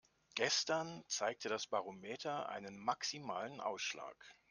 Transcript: Gestern zeigte das Barometer einen maximalen Ausschlag.